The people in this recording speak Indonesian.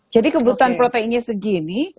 jadi kebutuhan proteinnya segini